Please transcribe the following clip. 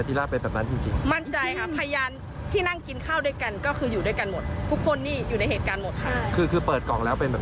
ก็เลยบอกว่าไม่เป็นไรก็ติดคุกก็ได้ถ้าอยากจะติดคุกก็ตามนั้นนะคะ